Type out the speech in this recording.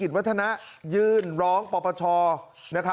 แล้วส่วนจุดยืนของท่านนะคะ